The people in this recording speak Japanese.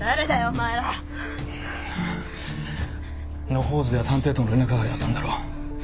野放図では探偵との連絡係だったんだろ？